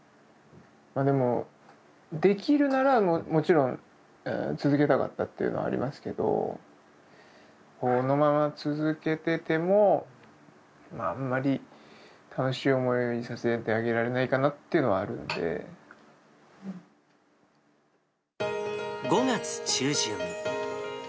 でも、できるならもちろん続けたかったっていうのはありますけど、このまま続けてても、あんまり楽しい思いをさせてあげられないかなっていうのはあるん５月中旬。